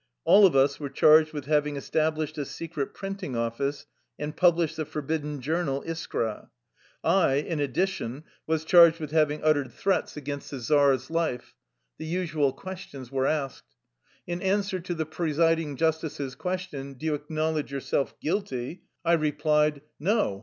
All of us were charged with having established a secret printing office and published the forbidden journal Iskra. I, in addition, was charged with having uttered threats against the 81 THE LIFE STOEY OF A RUSSIAN EXILE czar's life. The usual questions were asked. In answer to the presiding justice's question: " Do you acknowledge yourself guilty? " I replied : "No.